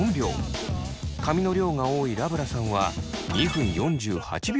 髪の量が多いラブラさんは２分４８秒かかりました。